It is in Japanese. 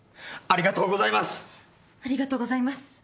ありがとうございます。